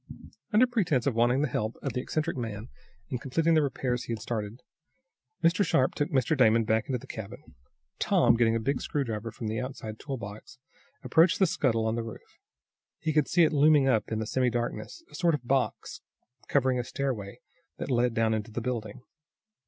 Under pretense of wanting the help of the eccentric man in completing the repairs he had started, Mr. Sharp took Mr. Damon back into the cabin. Tom, getting a big screwdriver from an outside toolbox, approached the scuttle on the roof. He could see it looming up in the semidarkness, a sort of box, covering a stairway that led down into the building.